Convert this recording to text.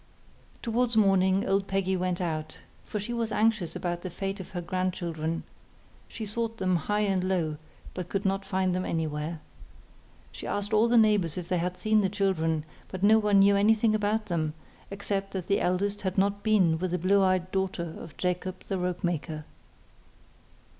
Towards morning old Peggy went out, for she was anxious about the fate of her grandchildren. She sought them high and low, but could not find them anywhere. She asked all the neighbours if they had seen the children, but no one knew anything about them, except that the eldest had not been with the blue eyed daughter of Jacob the rope maker.